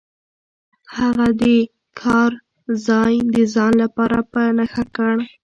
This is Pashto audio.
هغه د کان ځای د ځان لپاره په نښه کړ.